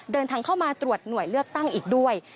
เดินทางเข้ามาตรวจหน่วยเลือกตั้งอีกด้วย